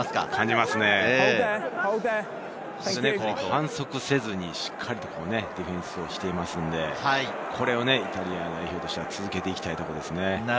反則せずにしっかりとディフェンスをしていますので、これをイタリア代表としては続けていきたいところですね。